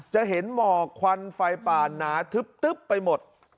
จะเห็นหมอกควันไฟป่าหนาทึบไปหมด